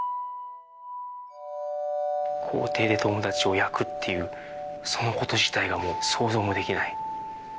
校庭で友達を焼くっていうその事自体がもう想像もできない。